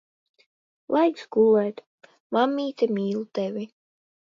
Laiks gulēt. Mammīte mīl tevi.